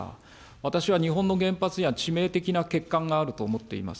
私は日本の原発には、致命的な欠陥があると思っています。